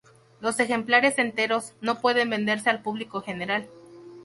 Los ejemplares enteros no pueden venderse al público general.